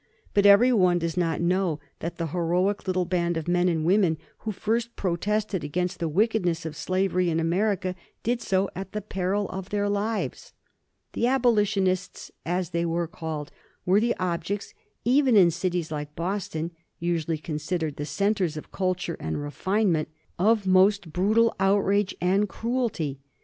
But every one does not know that the heroic little band of men and women who first protested against the wickedness of slavery in America did so at the peril of their lives. The abolitionists, as they were called, were the objects, even in cities like Boston, usually considered the centres of culture and refinement, of most brutal outrage and cruelty.